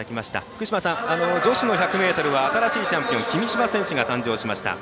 福島さん、女子の１００ｍは新しいチャンピオン君嶋選手が誕生しました。